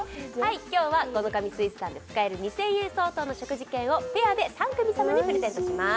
今日は五ノ神水産で使える２０００円相当の食事券をペアで３組様にプレゼントします